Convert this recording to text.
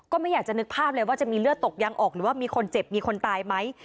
ไม่อยากจะนึกภาพเลยว่าจะมีเลือดตกยังอกหรือว่ามีคนเจ็บมีคนตายไหม